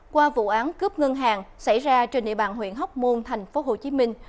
qua vụ án cướp ngân hàng xảy ra trên địa bàn huyện hóc môn thành phố hồ chí minh